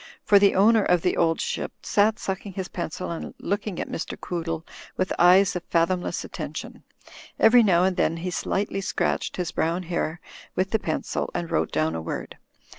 For the owner of "The Old Ship" sat sucking his pencil and looking at Mr. Quoo dle with eyes of fathomless attention. Every now and then he slightly scratched his brown hair with the pencil, and wrote down a word.